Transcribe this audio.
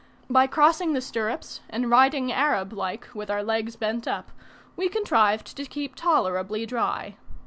By crossing the stirrups, and riding Arab like with our legs bent up, we contrived to keep tolerably dry.